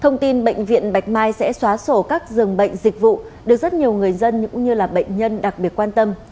thông tin bệnh viện bạch mai sẽ xóa sổ các giường bệnh dịch vụ được rất nhiều người dân cũng như là bệnh nhân đặc biệt quan tâm